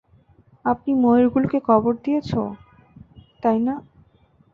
আপনি ময়ূরগুলোকে কবর দিয়েছ, তাই না?